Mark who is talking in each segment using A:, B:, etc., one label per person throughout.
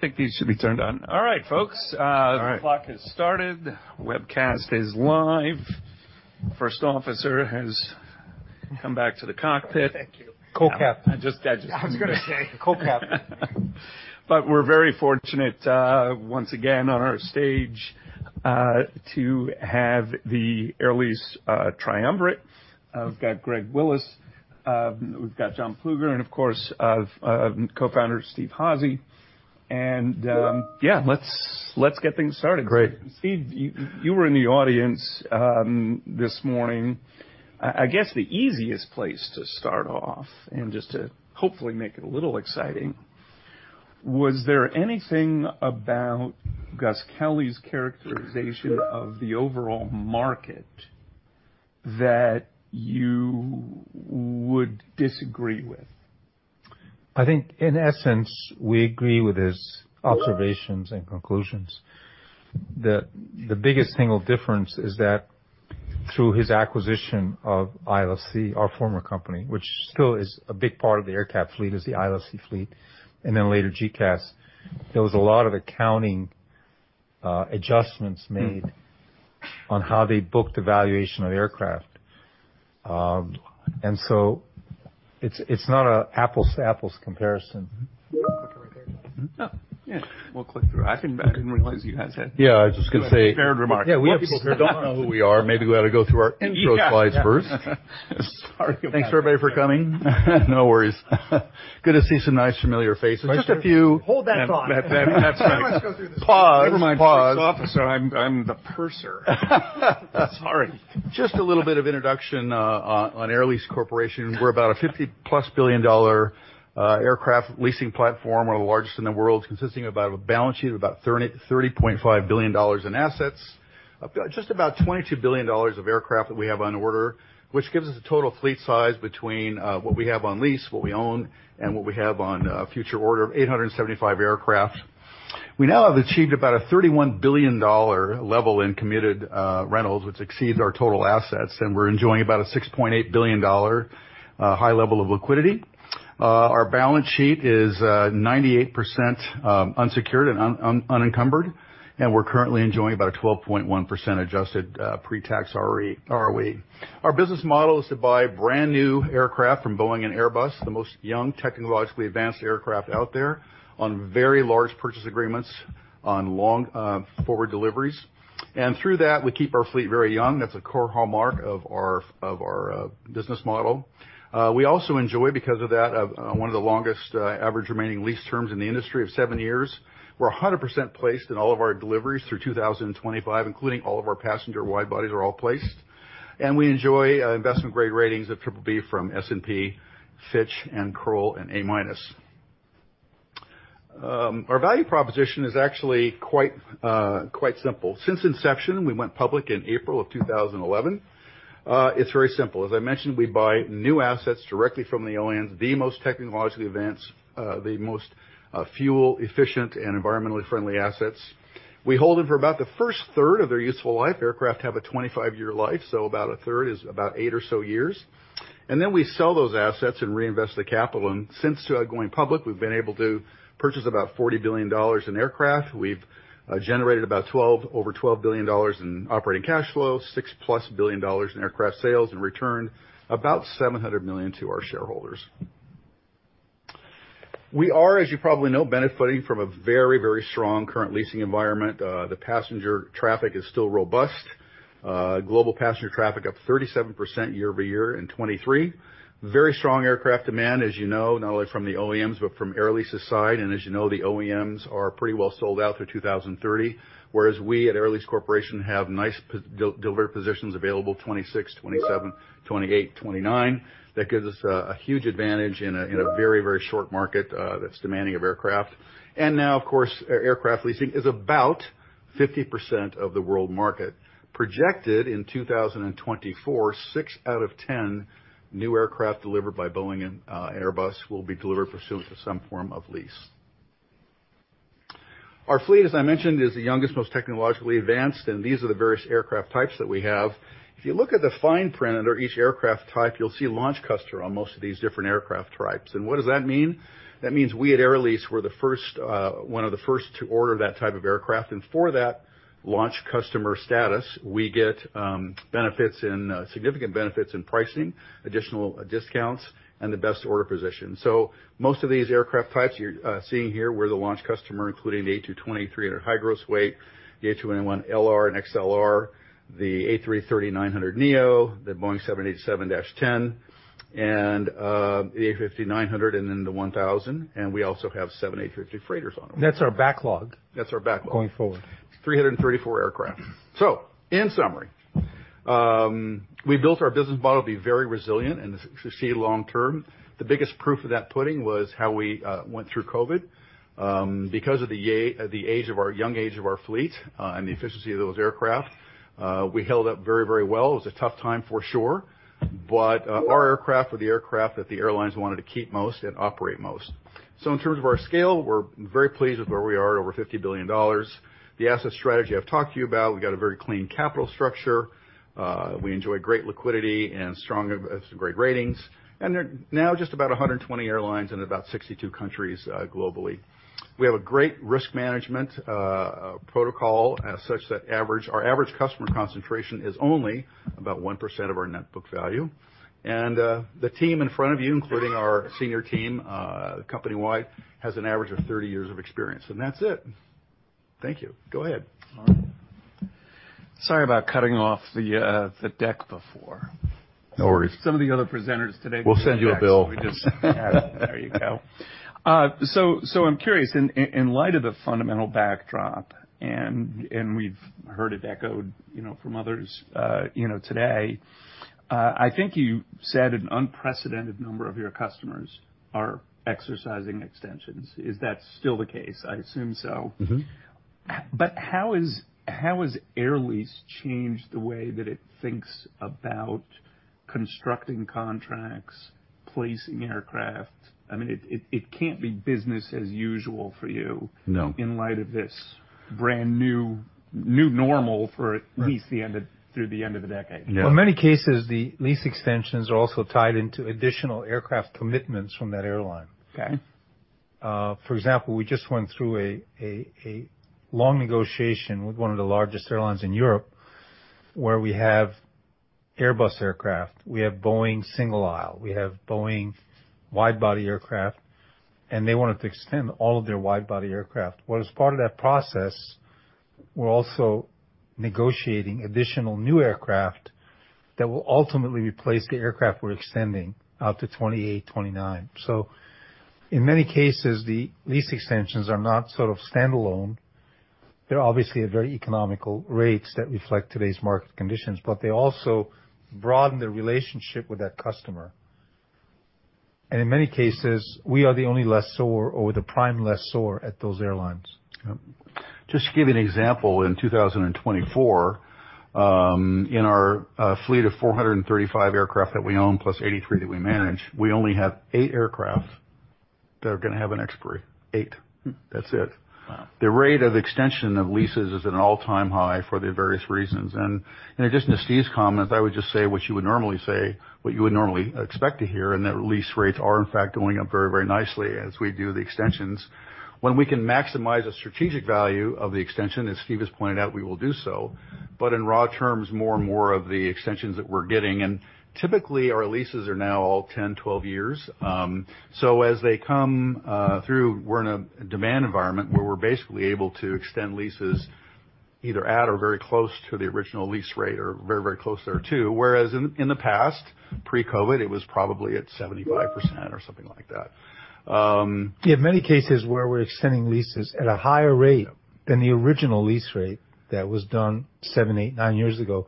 A: I think these should be turned on. All right, folks,
B: All right.
A: The clock has started. Webcast is live. First officer has come back to the cockpit.
B: Thank you.
C: Co-cap.
A: I just-
B: I was gonna say, co-cap.
A: But we're very fortunate, once again, on our stage, to have the Air Lease triumvirate. We've got Greg Willis, we've got John Plueger, and of course, of co-founder Steve Hazy. And, yeah, let's, let's get things started.
B: Great.
A: Steve, you were in the audience this morning. I guess the easiest place to start off, and just to hopefully make it a little exciting, was there anything about Gus Kelly's characterization of the overall market that you would disagree with?
C: I think in essence, we agree with his observations and conclusions, that the biggest single difference is that through his acquisition of ILFC, our former company, which still is a big part of the AerCap fleet, is the ILFC fleet, and then later GECAS, there was a lot of accounting adjustments made-
A: Mm-hmm
C: on how they booked the valuation of aircraft. And so it's, it's not an apples-to-apples comparison.
B: Oh, yeah, we'll click through. I didn't, I didn't realize you guys had-
A: Yeah, I was just gonna say-
B: Spared remarks.
C: Yeah, we have people here don't know who we are. Maybe we ought to go through our intro slides first.
A: Sorry.
B: Thanks, everybody, for coming.
A: No worries.
B: Good to see some nice, familiar faces. Just a few-
C: Hold that thought.
B: That's right.
A: Pause.
B: Never mind, pause.
A: Officer, I'm the purser.
B: Sorry.
A: Just a little bit of introduction on Air Lease Corporation. We're about a $50+ billion aircraft leasing platform. We're the largest in the world, consisting of about a balance sheet of about $30.5 billion in assets. About just about $22 billion of aircraft that we have on order, which gives us a total fleet size between what we have on lease, what we own, and what we have on future order of 875 aircraft. We now have achieved about a $31 billion level in committed rentals, which exceeds our total assets, and we're enjoying about a $6.8 billion high level of liquidity. Our balance sheet is 98% unsecured and unencumbered, and we're currently enjoying about a 12.1% adjusted pre-tax ROE. Our business model is to buy brand-new aircraft from Boeing and Airbus, the most young, technologically advanced aircraft out there, on very large purchase agreements on long, forward deliveries. And through that, we keep our fleet very young. That's a core hallmark of our business model. We also enjoy, because of that, one of the longest average remaining lease terms in the industry of seven years. We're 100% placed in all of our deliveries through 2025, including all of our passenger wide-bodies are all placed. And we enjoy investment-grade ratings of BBB from S&P, Fitch, and Kroll and A-. Our value proposition is actually quite simple. Since inception, we went public in April of 2011, it's very simple. As I mentioned, we buy new assets directly from the OEMs, the most technologically advanced, the most fuel efficient and environmentally friendly assets. We hold them for about the first third of their useful life. Aircraft have a 25-year life, so about a third is about eight or so years. And then we sell those assets and reinvest the capital. And since going public, we've been able to purchase about $40 billion in aircraft. We've generated about twelve, over $12 billion in operating cash flow, $6 billion+ in aircraft sales, and returned about $700 million to our shareholders. We are, as you probably know, benefiting from a very, very strong current leasing environment. The passenger traffic is still robust. Global passenger traffic up 37% year-over-year in 2023. Very strong aircraft demand, as you know, not only from the OEMs, but from Air Lease's side. And as you know, the OEMs are pretty well sold out through 2030, whereas we, at Air Lease Corporation, have nice pre-delivery positions available, 2026, 2027, 2028, 2029. That gives us a huge advantage in a very, very short market that's demanding of aircraft. And now, of course, our aircraft leasing is about 50% of the world market. Projected in 2024, 6 out of 10 new aircraft delivered by Boeing and Airbus will be delivered pursuant to some form of lease. Our fleet, as I mentioned, is the youngest, most technologically advanced, and these are the various aircraft types that we have. If you look at the fine print under each aircraft type, you'll see launch customer on most of these different aircraft types. What does that mean? That means we at Air Lease were the first, one of the first to order that type of aircraft, and for that launch customer status, we get significant benefits in pricing, additional discounts, and the best order position. So most of these aircraft types you're seeing here, we're the launch customer, including the A220-300 high gross weight, the A321LR and XLR, the A330-900neo, the Boeing 787-10, and the A350-900 and then the 1000, and we also have seven A350 freighters on order.
C: That's our backlog-
A: That's our backlog.
C: -going forward.
A: 334 aircraft. So in summary, we built our business model to be very resilient and to succeed long term... The biggest proof of that pudding was how we went through COVID. Because of the young age of our fleet, and the efficiency of those aircraft, we held up very, very well. It was a tough time for sure, but our aircraft were the aircraft that the airlines wanted to keep most and operate most. So in terms of our scale, we're very pleased with where we are, over $50 billion. The asset strategy I've talked to you about, we've got a very clean capital structure. We enjoy great liquidity and strong, great ratings, and they're now just about 120 airlines in about 62 countries, globally. We have a great risk management protocol, as such, that our average customer concentration is only about 1% of our net book value. The team in front of you, including our senior team company-wide, has an average of 30 years of experience. That's it. Thank you. Go ahead.
B: Sorry about cutting off the deck before.
A: No worries.
B: Some of the other presenters today-
A: We'll send you a bill.
B: There you go. So, I'm curious, in light of the fundamental backdrop, and we've heard it echoed, you know, from others, you know, today, I think you said an unprecedented number of your customers are exercising extensions. Is that still the case? I assume so.
A: Mm-hmm.
B: But how has Air Lease changed the way that it thinks about constructing contracts, placing aircraft? I mean, it can't be business as usual for you-
A: No.
B: In light of this brand new, new normal for at least the end of through the end of the decade.
A: No.
C: In many cases, the lease extensions are also tied into additional aircraft commitments from that airline.
B: Okay.
C: For example, we just went through a long negotiation with one of the largest airlines in Europe, where we have Airbus aircraft, we have Boeing single aisle, we have Boeing wide-body aircraft, and they wanted to extend all of their wide-body aircraft. Well, as part of that process, we're also negotiating additional new aircraft that will ultimately replace the aircraft we're extending out to 2028, 2029. So in many cases, the lease extensions are not sort of standalone. They're obviously at very economical rates that reflect today's market conditions, but they also broaden the relationship with that customer. And in many cases, we are the only lessor or the prime lessor at those airlines.
A: Yep. Just to give you an example, in 2024, in our fleet of 435 aircraft that we own, plus 83 that we manage, we only have eight aircraft that are going to have an expiry. Eight. That's it.
B: Wow!
A: The rate of extension of leases is at an all-time high for the various reasons. In addition to Steve's comments, I would just say what you would normally say, what you would normally expect to hear, and that lease rates are, in fact, going up very, very nicely as we do the extensions. When we can maximize the strategic value of the extension, as Steve has pointed out, we will do so. In raw terms, more and more of the extensions that we're getting, and typically, our leases are now all 10, 12 years. So as they come through, we're in a demand environment where we're basically able to extend leases either at or very close to the original lease rate or very, very close there, too. Whereas in the past, pre-COVID, it was probably at 75% or something like that.
C: In many cases, where we're extending leases at a higher rate-
A: Yep
C: —than the original lease rate that was done 7, 8, 9 years ago.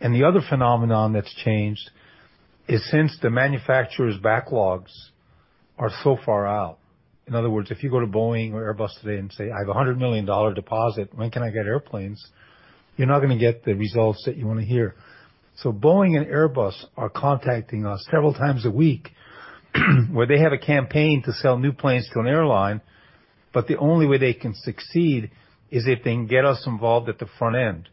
C: The other phenomenon that's changed is since the manufacturer's backlogs are so far out. In other words, if you go to Boeing or Airbus today and say, "I have a $100 million deposit, when can I get airplanes?" You're not going to get the results that you want to hear. So Boeing and Airbus are contacting us several times a week, where they have a campaign to sell new planes to an airline, but the only way they can succeed is if they can get us involved at the front end.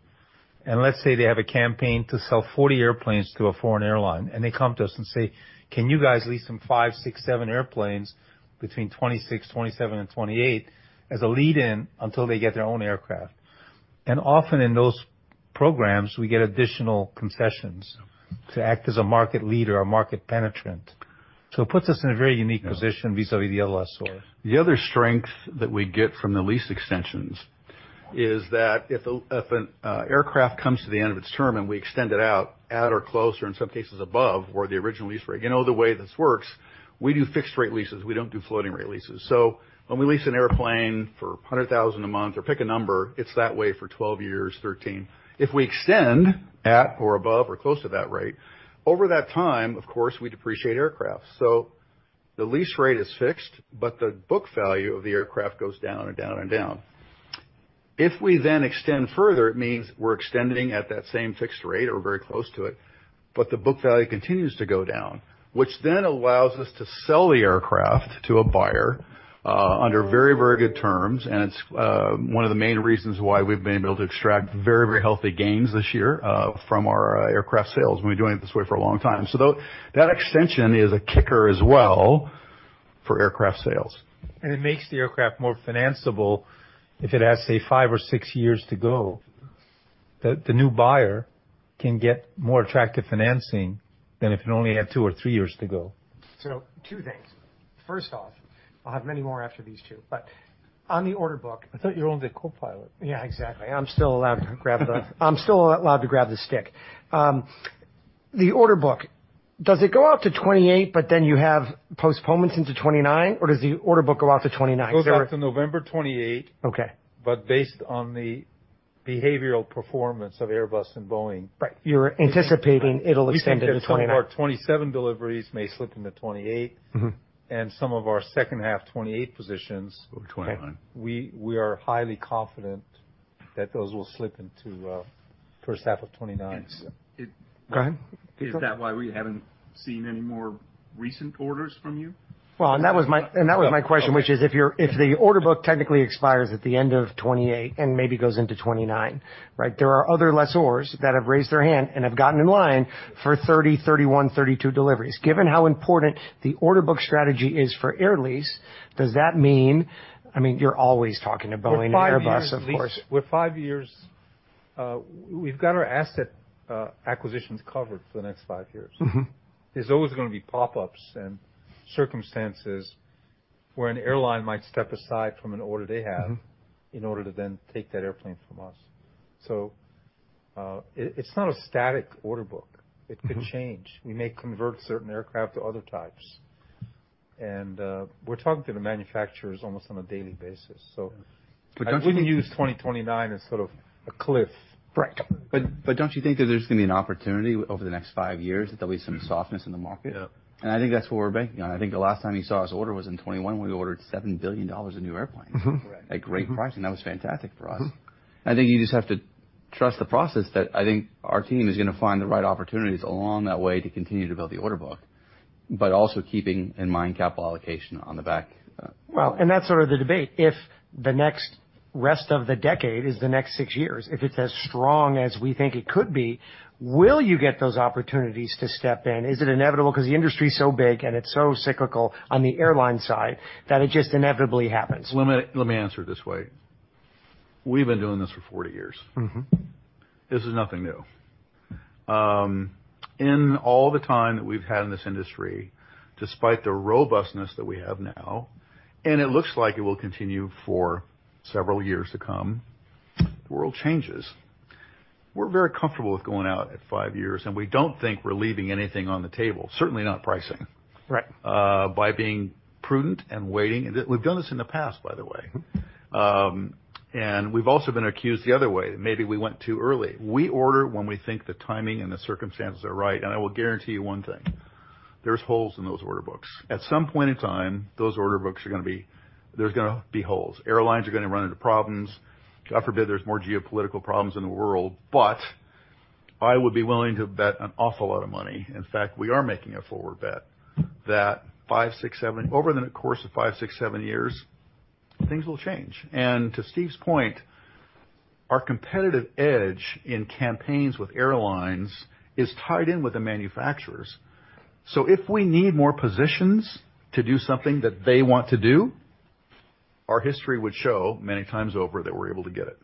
C: And let's say they have a campaign to sell 40 airplanes to a foreign airline, and they come to us and say: Can you guys lease some 5, 6, 7 airplanes between 2026, 2027, and 2028 as a lead-in until they get their own aircraft? And often in those programs, we get additional concessions to act as a market leader or market penetrant. So it puts us in a very unique position.
A: Yeah
C: vis-à-vis the other lessors.
A: The other strength that we get from the lease extensions is that if an aircraft comes to the end of its term and we extend it out at or close to, or in some cases above, the original lease rate. You know, the way this works, we do fixed-rate leases, we don't do floating-rate leases. So when we lease an airplane for $100,000 a month or pick a number, it's that way for 12 years, 13. If we extend at or above or close to that rate, over that time, of course, we depreciate aircraft. So the lease rate is fixed, but the book value of the aircraft goes down and down and down. If we then extend further, it means we're extending at that same fixed rate or very close to it, but the book value continues to go down, which then allows us to sell the aircraft to a buyer under very, very good terms. And it's one of the main reasons why we've been able to extract very, very healthy gains this year from our aircraft sales. We've been doing it this way for a long time. So that extension is a kicker as well for aircraft sales.
C: It makes the aircraft more financeable if it has, say, five or six years to go. The new buyer can get more attractive financing than if it only had two or three years to go.
D: So two things. First off, I'll have many more after these two, but on the order book-
C: I thought you're only the copilot?
D: Yeah, exactly. I'm still allowed to grab the stick. The order book, does it go out to 2028, but then you have postponements into 2029, or does the order book go out to 2029?
C: Goes out to November 28.
D: Okay.
C: Based on the behavioral performance of Airbus and Boeing.
D: Right. You're anticipating it'll extend into 2029.
C: We think that some of our 27 deliveries may slip into 28.
D: Mm-hmm.
C: Some of our second half 2028 positions-
A: Twenty-nine.
C: We are highly confident that those will slip into first half of 2029.
D: And it-
A: Go ahead.
B: Is that why we haven't seen any more recent orders from you?
D: Well, that was my question, which is, if the order book technically expires at the end of 2028 and maybe goes into 2029, right? There are other lessors that have raised their hand and have gotten in line for 2030, 2031, 2032 deliveries. Given how important the order book strategy is for Air Lease, does that mean... I mean, you're always talking to Boeing and Airbus, of course.
C: We're five years. We've got our asset acquisitions covered for the next five years.
D: Mm-hmm.
C: There's always gonna be pop-ups and circumstances where an airline might step aside from an order they have-
D: Mm-hmm
C: in order to then take that airplane from us. So, it's not a static order book.
D: Mm-hmm.
C: It could change. We may convert certain aircraft to other types, and we're talking to the manufacturers almost on a daily basis, so-
A: But don't you-
C: I wouldn't use 2029 as sort of a cliff.
D: Right.
A: Don't you think that there's gonna be an opportunity over the next five years, that there'll be some softness in the market?
C: Yep.
A: I think that's where we're banking on. I think the last time you saw us order was in 2021, when we ordered $7 billion in new airplanes.
C: Mm-hmm.
D: Correct.
A: At great price, and that was fantastic for us.
C: Mm-hmm.
A: I think you just have to trust the process that I think our team is gonna find the right opportunities along that way to continue to build the order book, but also keeping in mind capital allocation on the back.
D: Well, that's sort of the debate. If the next rest of the decade is the next six years, if it's as strong as we think it could be, will you get those opportunities to step in? Is it inevitable? Because the industry is so big and it's so cyclical on the airline side, that it just inevitably happens.
A: Let me, let me answer it this way: We've been doing this for 40 years.
D: Mm-hmm.
A: This is nothing new. In all the time that we've had in this industry, despite the robustness that we have now, and it looks like it will continue for several years to come, the world changes. We're very comfortable with going out at five years, and we don't think we're leaving anything on the table, certainly not pricing.
D: Right.
A: By being prudent and waiting. We've done this in the past, by the way.
D: Mm-hmm.
A: We've also been accused the other way, maybe we went too early. We order when we think the timing and the circumstances are right, and I will guarantee you one thing, there's holes in those order books. At some point in time, there's gonna be holes. Airlines are gonna run into problems. God forbid, there's more geopolitical problems in the world, but I would be willing to bet an awful lot of money, in fact, we are making a forward bet, that 5, 6, 7 over the course of 5, 6, 7 years, things will change. And to Steve's point, our competitive edge in campaigns with airlines is tied in with the manufacturers. So if we need more positions to do something that they want to do, our history would show many times over that we're able to get it.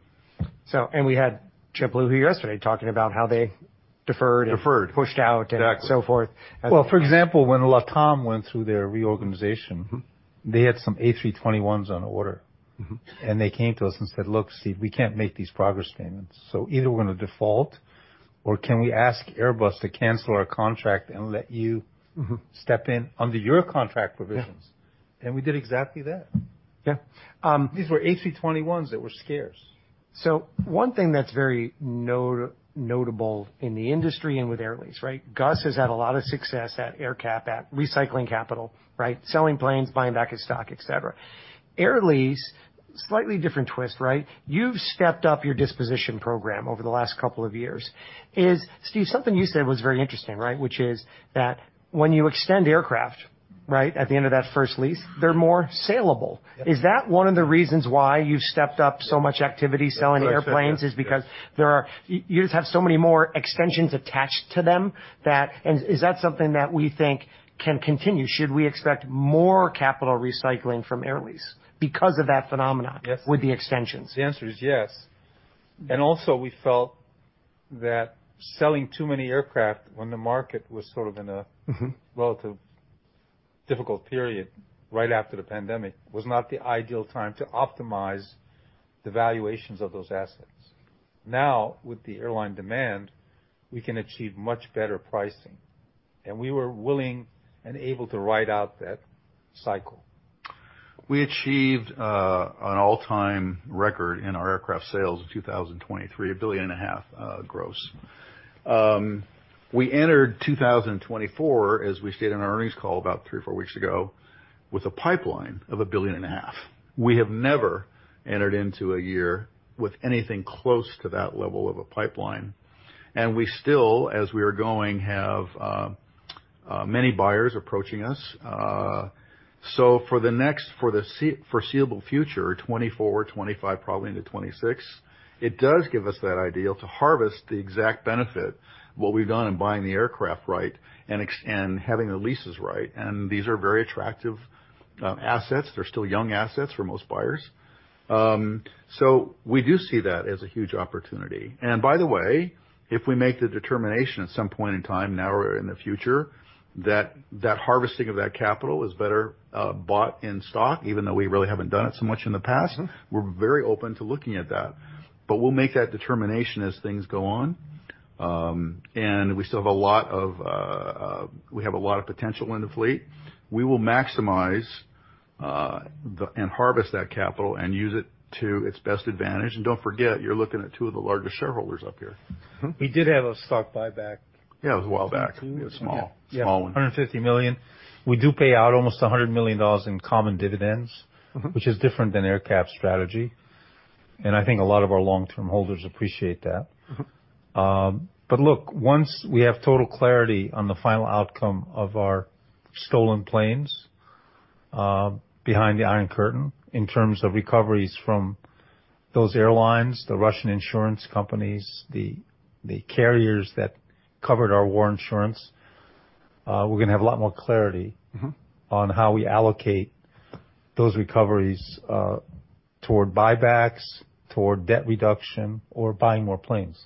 D: And we had JetBlue here yesterday talking about how they deferred and-
A: Deferred...
D: pushed out-
A: Exactly.
D: And so forth.
C: Well, for example, when LATAM went through their reorganization-
A: Mm-hmm.
C: They had some A321s on order.
A: Mm-hmm.
C: They came to us and said, "Look, Steve, we can't make these progress payments, so either we're gonna default, or can we ask Airbus to cancel our contract and let you-
A: Mm-hmm
C: Step in under your contract provisions?
A: Yeah.
C: We did exactly that.
A: Yeah.
C: These were A321s that were scarce.
D: So one thing that's very notable in the industry and with Air Lease, right? Gus has had a lot of success at AerCap at recycling capital, right? Selling planes, buying back his stock, et cetera. Air Lease, slightly different twist, right? You've stepped up your disposition program over the last couple of years. Steve, something you said was very interesting, right? Which is that when you extend aircraft, right, at the end of that first lease, they're more saleable.
C: Yes.
D: Is that one of the reasons why you've stepped up so much activity selling airplanes?
C: That's what I said, yes.
D: is because there are... you just have so many more extensions attached to them, and is that something that we think can continue? Should we expect more capital recycling from Air Lease because of that phenomenon?
C: Yes.
D: with the extensions?
C: The answer is yes. And also, we felt that selling too many aircraft when the market was sort of in a-
D: Mm-hmm
C: relatively difficult period right after the pandemic was not the ideal time to optimize the valuations of those assets. Now, with the airline demand, we can achieve much better pricing, and we were willing and able to ride out that cycle.
A: We achieved an all-time record in our aircraft sales in 2023, $1.5 billion gross. We entered 2024, as we stated in our earnings call about 3 or 4 weeks ago, with a pipeline of $1.5 billion. We have never entered into a year with anything close to that level of a pipeline, and we still, as we are going, have many buyers approaching us. So for the foreseeable future, 2024, 2025, probably into 2026, it does give us that ideal to harvest the exact benefit, what we've done in buying the aircraft right and having the leases right. And these are very attractive assets. They're still young assets for most buyers. So we do see that as a huge opportunity. By the way, if we make the determination at some point in time, now or in the future, that that harvesting of that capital is better bought in stock, even though we really haven't done it so much in the past-
C: Mm-hmm...
A: we're very open to looking at that. But we'll make that determination as things go on. And we still have a lot of potential in the fleet. We will maximize and harvest that capital and use it to its best advantage. And don't forget, you're looking at two of the largest shareholders up here.
C: We did have a stock buyback.
A: Yeah, it was a while back. It was small. Small one.
C: Yeah, $150 million. We do pay out almost $100 million in common dividends-
A: Mm-hmm.
C: which is different than AerCap's strategy, and I think a lot of our long-term holders appreciate that.
A: Mm-hmm.
C: But look, once we have total clarity on the final outcome of our stolen planes behind the Iron Curtain, in terms of recoveries from those airlines, the Russian insurance companies, the carriers that covered our war insurance, we're gonna have a lot more clarity-
A: Mm-hmm
C: On how we allocate those recoveries, toward buybacks, toward debt reduction, or buying more planes.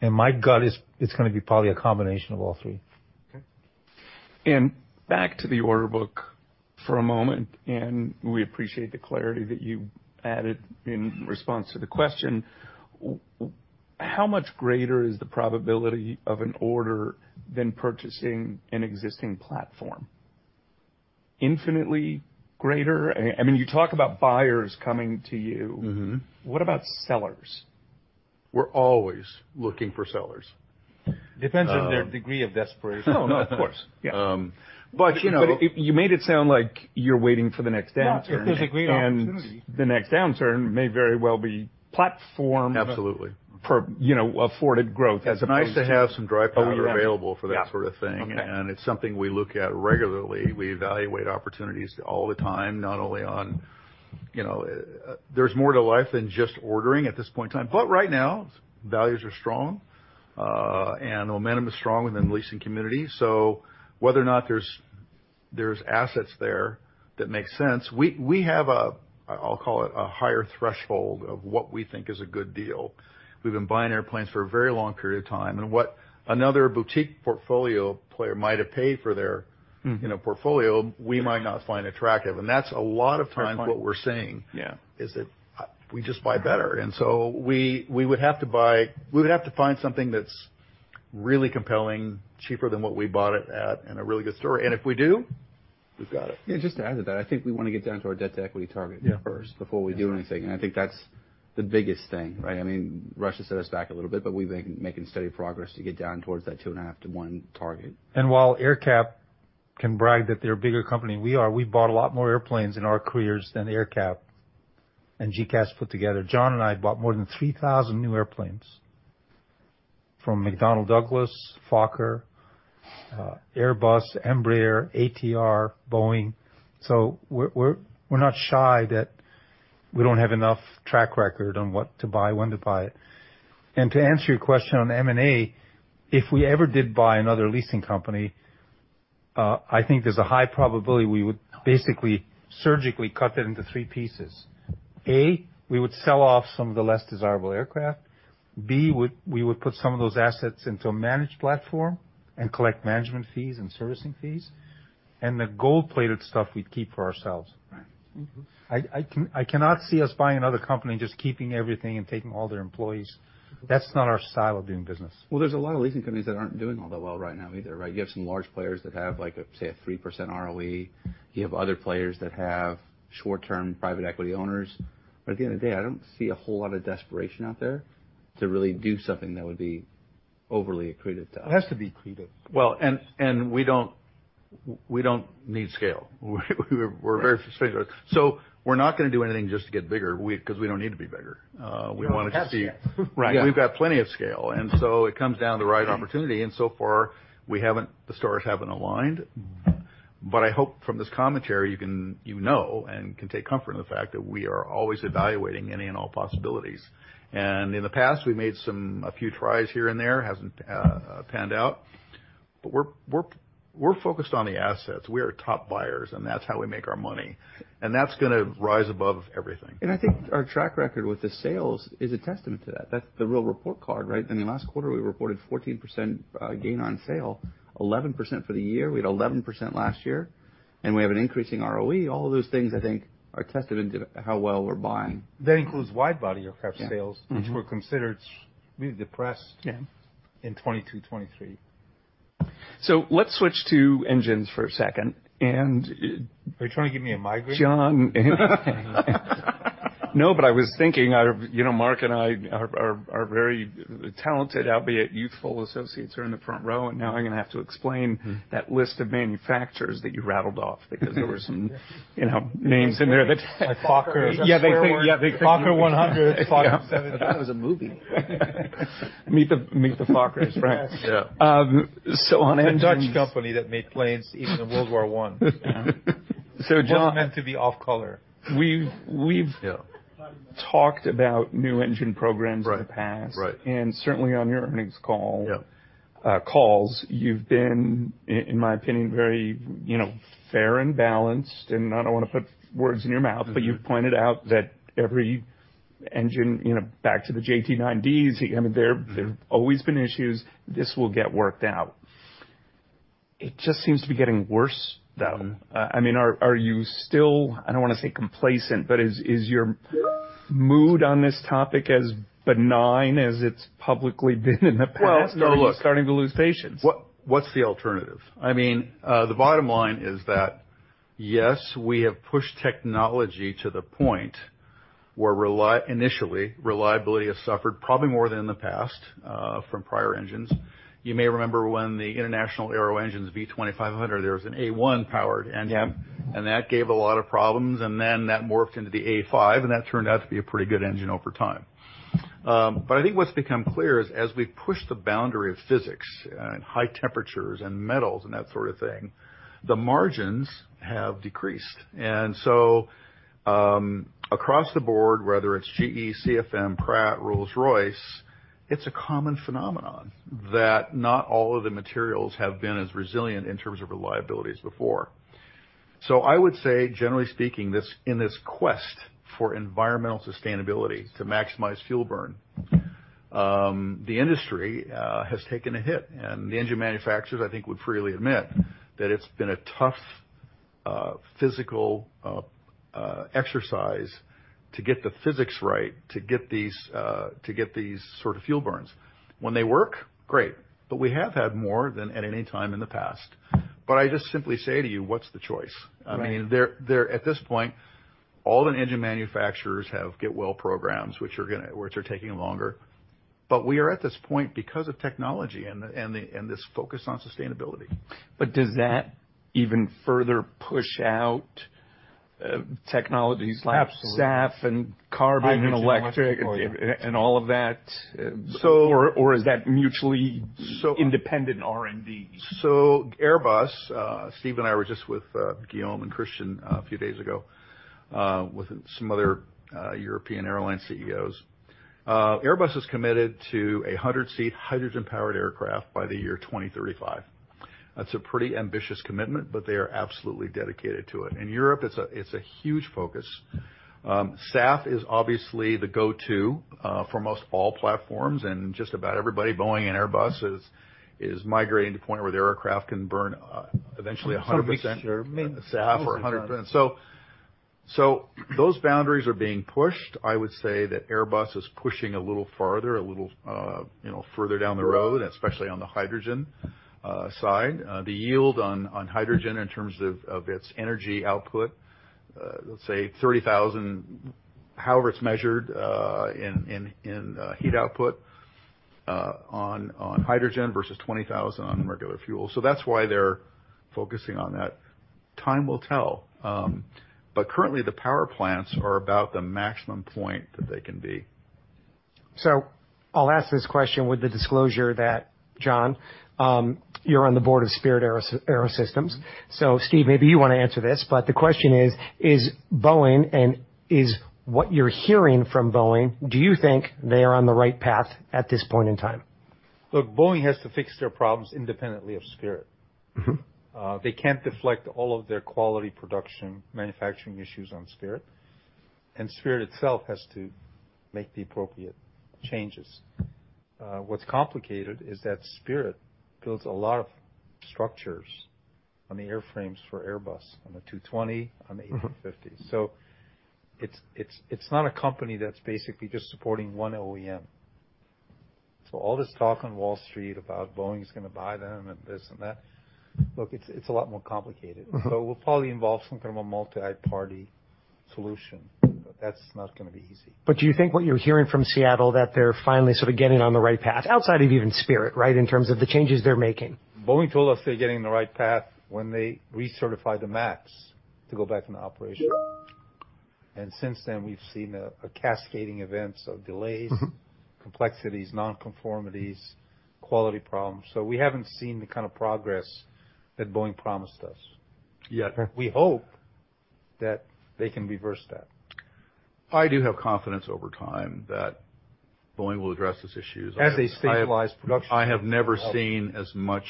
C: And my gut is, it's gonna be probably a combination of all three.
A: Okay.
B: And back to the order book for a moment, and we appreciate the clarity that you added in response to the question. How much greater is the probability of an order than purchasing an existing platform? Infinitely greater? I mean, you talk about buyers coming to you.
A: Mm-hmm.
B: What about sellers?
A: We're always looking for sellers.
C: Depends on their degree of desperation.
A: No, no, of course. But you know-
B: But you made it sound like you're waiting for the next downturn.
C: No, if there's a great opportunity-
B: The next downturn may very well be platform-
A: Absolutely.
B: For, you know, afforded growth as opposed to-
A: It's nice to have some dry powder available for that sort of thing.
B: Yeah. Okay.
A: It's something we look at regularly. We evaluate opportunities all the time, not only on, you know... There's more to life than just ordering at this point in time, but right now, values are strong, and momentum is strong within the leasing community. So whether or not there's assets there that make sense, we have a, I'll call it a higher threshold of what we think is a good deal. We've been buying airplanes for a very long period of time, and what another boutique portfolio player might have paid for their-
B: Mm...
A: you know, portfolio, we might not find attractive. That's a lot of times what we're seeing-
B: Yeah
A: is that we just buy better. And so we would have to buy. We would have to find something that's really compelling, cheaper than what we bought it at, and a really good story. And if we do, we've got it.
E: Yeah, just to add to that, I think we want to get down to our debt-to-equity target first-
A: Yeah
E: Before we do anything, and I think that's the biggest thing, right? I mean, Russia set us back a little bit, but we've been making steady progress to get down towards that 2.5-to-1 target.
C: While AerCap can brag that they're a bigger company than we are, we've bought a lot more airplanes in our careers than AerCap and GECAS put together. John and I have bought more than 3,000 new airplanes from McDonnell Douglas, Fokker, Airbus, Embraer, ATR, Boeing. So we're not shy that we don't have enough track record on what to buy, when to buy it. To answer your question on M&A, if we ever did buy another leasing company, I think there's a high probability we would basically surgically cut that into three pieces. A, we would sell off some of the less desirable aircraft. B, we would put some of those assets into a managed platform and collect management fees and servicing fees, and the gold-plated stuff we'd keep for ourselves.
A: Right. Mm-hmm.
C: I cannot see us buying another company and just keeping everything and taking all their employees. That's not our style of doing business.
E: Well, there's a lot of leasing companies that aren't doing all that well right now either, right? You have some large players that have, like, a, say, a 3% ROE. You have other players that have short-term private equity owners. But at the end of the day, I don't see a whole lot of desperation out there to really do something that would be overly accretive to us.
C: It has to be accretive.
A: Well, we don't need scale. We're very straightforward. So we're not gonna do anything just to get bigger because we don't need to be bigger. We want to just see-
E: We have scale.
A: Right. We've got plenty of scale, and so it comes down to the right opportunity, and so far, the stars haven't aligned.
E: Mm-hmm.
A: But I hope from this commentary, you can, you know, take comfort in the fact that we are always evaluating any and all possibilities. And in the past, we made some a few tries here and there, hasn't panned out. But we're focused on the assets. We are top buyers, and that's how we make our money, and that's gonna rise above everything.
E: I think our track record with the sales is a testament to that. That's the real report card, right? I mean, last quarter, we reported 14% gain on sale, 11% for the year. We had 11% last year, and we have an increasing ROE. All of those things, I think, are testament to how well we're buying.
C: That includes wide-body aircraft sales-
E: Yeah.
C: which were considered really depressed
E: Yeah
C: in 2022, 2023.
B: So let's switch to engines for a second.
C: Are you trying to give me a migraine?
B: John? No, but I was thinking, I've... You know, Mark and I are very talented, albeit youthful associates in the front row, and now I'm gonna have to explain-
A: Mm-hmm
B: -that list of manufacturers that you rattled off, because there were some, you know, names in there that-
C: Like Fokker.
B: Yeah, they think... Fokker 100, Fokker 70.
E: I thought it was a movie.
B: Meet the Fokkers, right?
A: Yeah.
B: So on engines-
C: A Dutch company that made planes in World War I.
B: So, John-
C: It was meant to be off-color.
B: We've, we've-
A: Yeah
B: talked about new engine programs in the past.
A: Right, right.
B: And certainly on your earnings call-
A: Yeah
B: Calls, you've been, in my opinion, very, you know, fair and balanced. And I don't want to put words in your mouth-
A: Mm-hmm
B: But you've pointed out that every engine, you know, back to the JT9Ds, I mean, there-
A: Mm-hmm
B: There have always been issues. This will get worked out. It just seems to be getting worse, though. I mean, are you still, I don't want to say complacent, but is your mood on this topic as benign as it's publicly been in the past?
A: Well, no, look-
B: Are you starting to lose patience?
A: What, what's the alternative? I mean, the bottom line is that, yes, we have pushed technology to the point where initially reliability has suffered probably more than in the past from prior engines. You may remember when the International Aero Engines V2500, there was an A1-powered engine.
D: Yeah.
A: That gave a lot of problems, and then that morphed into the A5, and that turned out to be a pretty good engine over time. But I think what's become clear is, as we've pushed the boundary of physics and high temperatures and metals and that sort of thing, the margins have decreased. And so, across the board, whether it's GE, CFM, Pratt, Rolls-Royce, it's a common phenomenon that not all of the materials have been as resilient in terms of reliability as before. So I would say, generally speaking, this, in this quest for environmental sustainability, to maximize fuel burn, the industry has taken a hit, and the engine manufacturers, I think, would freely admit that it's been a tough physical exercise to get the physics right, to get these sort of fuel burns. When they work, great, but we have had more than at any time in the past. But I just simply say to you, what's the choice?
D: Right.
A: I mean, they're at this point all the engine manufacturers have get well programs, which are taking longer. But we are at this point because of technology and this focus on sustainability.
D: But does that even further push out technologies-
A: Absolutely.
D: like SAF and carbon and electric-
A: Hydrogen
D: and all of that?
A: So-
D: Or, is that mutually-
A: So-
D: -independent R&D?
A: Airbus, Steve and I were just with Guillaume and Christian a few days ago, with some other European airline CEOs. Airbus is committed to a 100-seat, hydrogen-powered aircraft by the year 2035. That's a pretty ambitious commitment, but they are absolutely dedicated to it. In Europe, it's a huge focus. SAF is obviously the go-to for most all platforms, and just about everybody, Boeing and Airbus, is migrating to the point where the aircraft can burn eventually 100%-
D: Some mixture.
A: SAF or 100%. So those boundaries are being pushed. I would say that Airbus is pushing a little farther, a little, you know, further down the road, especially on the hydrogen side. The yield on hydrogen in terms of its energy output, let's say 30,000, however it's measured, in heat output on hydrogen versus 20,000 on regular fuel. So that's why they're focusing on that. Time will tell, but currently the power plants are about the maximum point that they can be.
D: So I'll ask this question with the disclosure that, John, you're on the board of Spirit AeroSystems. So Steve, maybe you want to answer this, but the question is: Is Boeing, and is what you're hearing from Boeing, do you think they are on the right path at this point in time?
C: Look, Boeing has to fix their problems independently of Spirit.
D: Mm-hmm.
C: They can't deflect all of their quality, production, manufacturing issues on Spirit, and Spirit itself has to make the appropriate changes. What's complicated is that Spirit builds a lot of structures on the airframes for Airbus, on the A220, on the A350.
D: Mm-hmm.
C: So it's not a company that's basically just supporting one OEM. So all this talk on Wall Street about Boeing's gonna buy them and this and that, look, it's a lot more complicated.
D: Mm-hmm.
C: It will probably involve some kind of a multi-party solution, but that's not gonna be easy.
D: But do you think what you're hearing from Seattle, that they're finally sort of getting on the right path, outside of even Spirit, right, in terms of the changes they're making?
C: Boeing told us they're getting the right path when they recertify the MAX to go back into operation. And since then, we've seen a cascading events of delays-
D: Mm-hmm.
C: complexities, non-conformities, quality problems. So we haven't seen the kind of progress that Boeing promised us.
A: Yet.
C: We hope that they can reverse that.
A: I do have confidence over time that Boeing will address these issues.
C: As they stabilize production.
A: I have never seen as much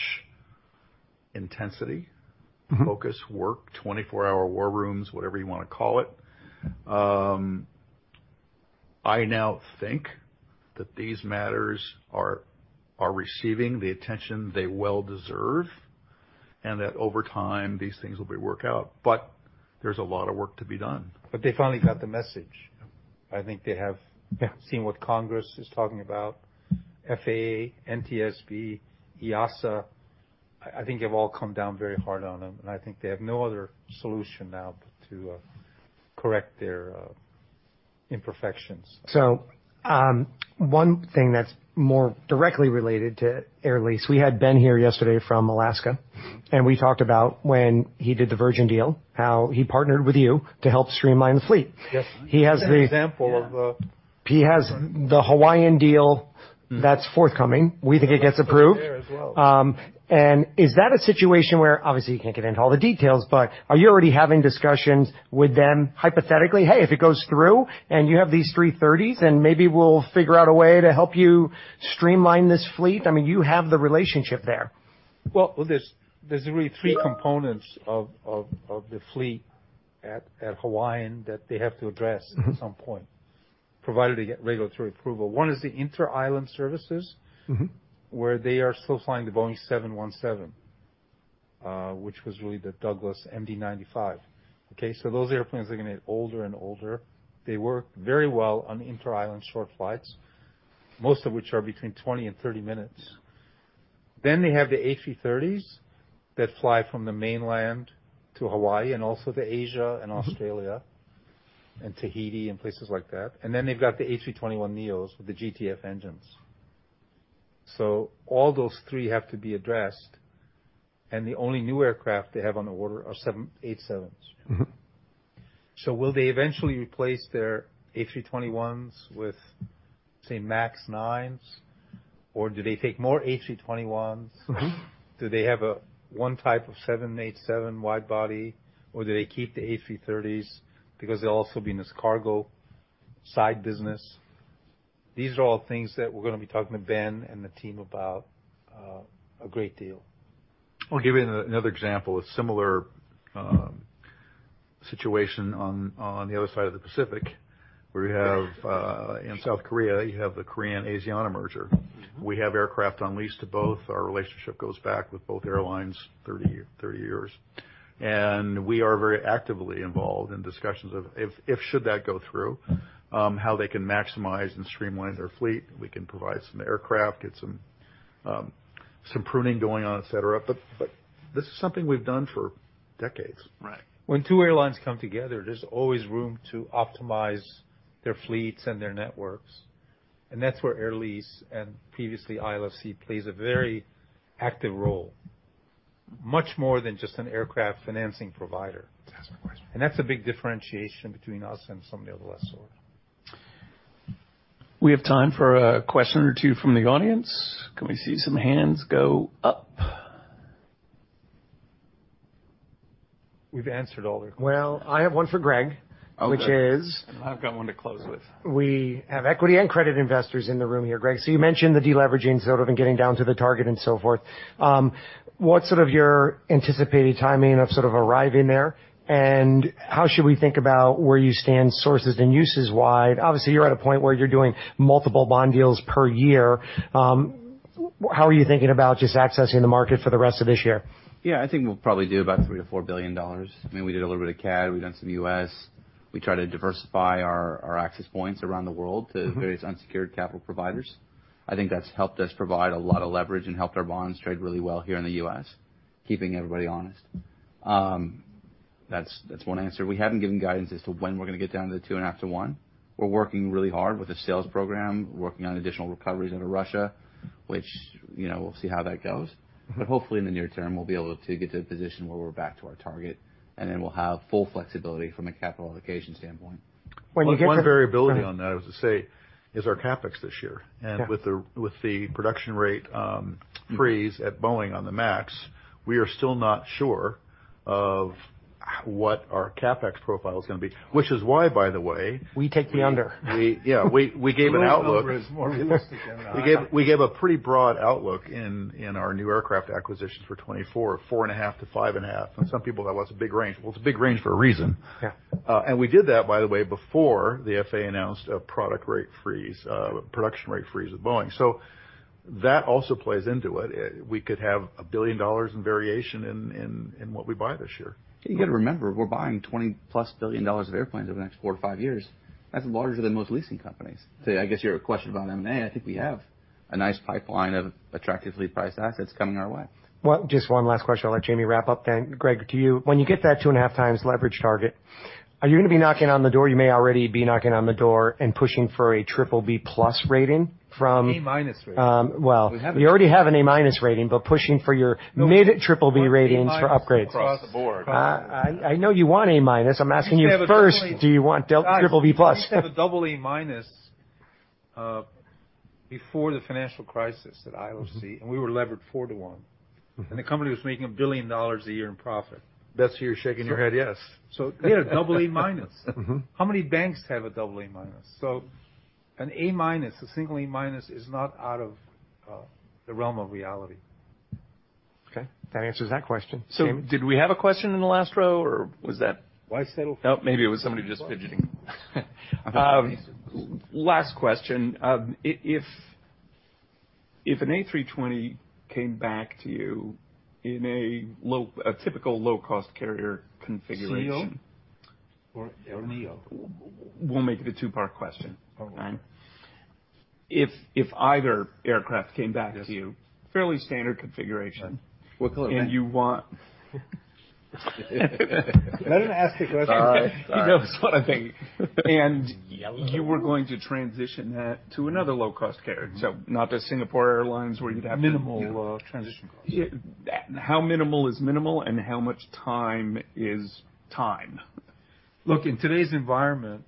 A: intensity-
D: Mm-hmm.
A: -focus, work, 24-hour war rooms, whatever you wanna call it. I now think that these matters are receiving the attention they well deserve, and that over time, these things will be worked out, but there's a lot of work to be done.
C: But they finally got the message.
A: Yep.
C: I think they have-
A: Yeah
C: seen what Congress is talking about, FAA, NTSB, EASA. I think they've all come down very hard on them, and I think they have no other solution now to correct their imperfections.
D: So, one thing that's more directly related to Air Lease, we had Ben here yesterday from Alaska-
A: Mm-hmm.
D: And we talked about when he did the Virgin deal, how he partnered with you to help streamline the fleet.
C: Yes.
D: He has the-
C: Good example of the-
D: He has the Hawaiian deal-
A: Mm-hmm.
D: -that's forthcoming. We think it gets approved.
C: As well.
D: And is that a situation where, obviously, you can't get into all the details, but are you already having discussions with them hypothetically? "Hey, if it goes through, and you have these three thirtys, then maybe we'll figure out a way to help you streamline this fleet." I mean, you have the relationship there.
C: Well, there's really three components of the fleet at Hawaiian that they have to address-
D: Mm-hmm
C: At some point, provided they get regulatory approval. One is the inter-island services.
D: Mm-hmm
C: where they are still flying the Boeing 717, which was really the Douglas MD-95. Okay, so those airplanes are gonna get older and older. They work very well on inter-island short flights, most of which are between 20 and 30 minutes. Then they have the A330s that fly from the mainland to Hawaii, and also to Asia and Australia, and Tahiti, and places like that. And then they've got the A321neos with the GTF engines. So all those three have to be addressed, and the only new aircraft they have on the order are 787s.
D: Mm-hmm.
C: Will they eventually replace their A321s with, say, MAX 9s? Or do they take more A321s?
D: Mm-hmm.
C: Do they have a one type of 787 wide body, or do they keep the A330s because they'll also be in this cargo side business? These are all things that we're going to be talking to Ben and the team about, a great deal.
A: I'll give you another example, a similar situation on the other side of the Pacific, where you have in South Korea the Korean Air-Asiana merger. We have aircraft on lease to both. Our relationship goes back with both airlines 30 years. And we are very actively involved in discussions of if should that go through how they can maximize and streamline their fleet. We can provide some aircraft, get some pruning going on, et cetera. But this is something we've done for decades.
C: Right. When two airlines come together, there's always room to optimize their fleets and their networks, and that's where Air Lease and previously, ILFC, plays a very active role, much more than just an aircraft financing provider.
A: That's the question.
C: And that's a big differentiation between us and somebody of the lessor sort.
D: We have time for a question or two from the audience. Can we see some hands go up?
B: We've answered all the questions.
D: Well, I have one for Greg.
A: Okay.
D: Which is-
B: I've got one to close with.
D: We have equity and credit investors in the room here, Greg. So you mentioned the deleveraging, sort of, and getting down to the target and so forth. What's sort of your anticipated timing of sort of arriving there? And how should we think about where you stand, sources and uses wise? Obviously, you're at a point where you're doing multiple bond deals per year. How are you thinking about just accessing the market for the rest of this year?
E: Yeah, I think we'll probably do about $3 billion-$4 billion. I mean, we did a little bit of CAD, we've done some US. We try to diversify our access points around the world-
D: Mm-hmm.
E: to various unsecured capital providers. I think that's helped us provide a lot of leverage and helped our bonds trade really well here in the U.S., keeping everybody honest. That's one answer. We haven't given guidance as to when we're going to get down to the 2.5 to 1. We're working really hard with the sales program, working on additional recoveries out of Russia, which, you know, we'll see how that goes.
D: Mm-hmm.
E: Hopefully, in the near term, we'll be able to get to a position where we're back to our target, and then we'll have full flexibility from a capital allocation standpoint.
D: When you get to—
A: One variability on that, I was to say, is our CapEx this year.
D: Yeah.
A: With the production rate freeze at Boeing on the MAX, we are still not sure of what our CapEx profile is going to be, which is why, by the way-
D: We take the under.
A: Yeah, we gave an outlook.
C: Is more realistic than an outcome.
A: We gave a pretty broad outlook in our new aircraft acquisitions for 2024, $4.5-$5.5, and some people thought that's a big range. Well, it's a big range for a reason.
D: Yeah.
A: We did that, by the way, before the FAA announced a production rate freeze with Boeing. So that also plays into it. We could have $1 billion in variation in what we buy this year.
E: You got to remember, we're buying $20+ billion of airplanes over the next 4-5 years. That's larger than most leasing companies. So I guess, your question about M&A, I think we have a nice pipeline of attractively priced assets coming our way.
D: Well, just one last question. I'll let Jamie wrap up then. Greg, to you. When you get that 2.5x leverage target, are you going to be knocking on the door? You may already be knocking on the door and pushing for a BBB+ rating from-
C: A-minus rating.
D: Well, you already have an A-minus rating, but pushing for your mid triple B ratings for upgrades.
C: Across the board.
D: I know you want A-minus. I'm asking you, first, do you want triple B plus?
C: We have a double A-minus before the financial crisis at ILFC, and we were levered 4 to 1.
A: Mm-hmm.
C: The company was making $1 billion a year in profit.
A: Betsy, you're shaking your head yes.
C: So we had a double A-minus.
A: Mm-hmm.
C: How many banks have a double A-minus? So an A-minus, a single A-minus, is not out of the realm of reality.
D: Okay, that answers that question.
B: Did we have a question in the last row, or was that-
C: Why settle?
B: Oh, maybe it was somebody just fidgeting. Last question. If an A320 came back to you in a typical low-cost carrier configuration-
C: CEO or NEO?
B: We'll make it a two-part question.
C: All right.
B: If either aircraft came back to you-
C: Yes.
B: Fairly standard configuration.
C: What color?
B: You want...
C: Can I ask the question?
A: Sorry. Sorry.
B: He knows what I think.
C: Yellow.
B: You were going to transition that to another low-cost carrier.
A: Mm-hmm.
B: So not the Singapore Airlines, where you'd have-
A: Minimal-
B: transition costs.
A: Yeah.
B: How minimal is minimal, and how much time is time?
C: Look, in today's environment,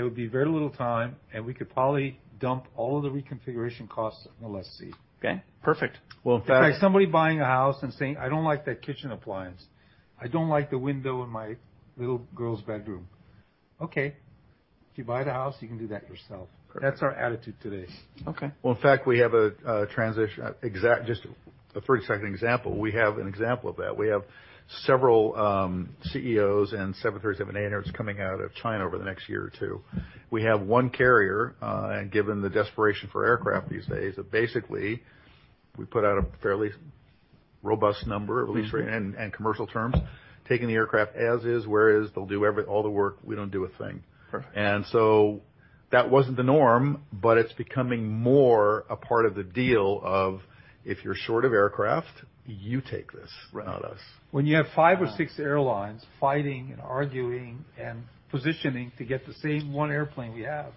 C: there would be very little time, and we could probably dump all of the reconfiguration costs on the lessee.
B: Okay, perfect.
A: Well, in fact-
C: If somebody buying a house and saying: "I don't like that kitchen appliance. I don't like the window in my little girl's bedroom." Okay, if you buy the house, you can do that yourself.
B: Perfect.
C: That's our attitude today.
B: Okay.
A: Well, in fact, we have a transition effect. Just a pretty exciting example. We have an example of that. We have several CEOs and 737 aircraft coming out of China over the next year or two. We have one carrier, and given the desperation for aircraft these days, that basically we put out a fairly robust number-
C: Mm-hmm.
A: At least in commercial terms, taking the aircraft as is, where is, they'll do every all the work. We don't do a thing.
B: Perfect.
A: And so that wasn't the norm, but it's becoming more a part of the deal of, if you're short of aircraft, you take this-
B: Right.
A: -not us.
C: When you have five or six airlines fighting and arguing and positioning to get the same one airplane we have,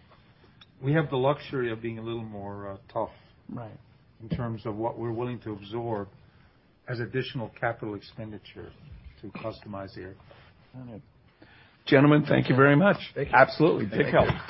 C: we have the luxury of being a little more tough-
B: Right
C: In terms of what we're willing to absorb as additional capital expenditure to customize the aircraft.
B: Got it. Gentlemen, thank you very much.
A: Thank you.
B: Absolutely. Take care.